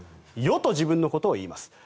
余と自分のことを言います。